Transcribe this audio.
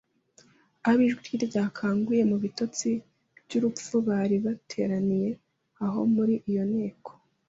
Abo ijwi rye ryakanguye mu bitotsi by'urupfu bari bateraniye aho muri iyo nteko